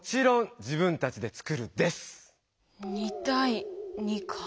２対２か。